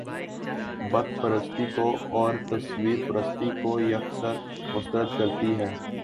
بت پرستی کو اور تصویر پرستی کو یک سر مسترد کرتی ہے